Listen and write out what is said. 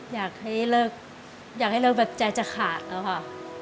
อยากให้เลิกอยากให้เลิกแบบใจจะขาดแล้วค่ะ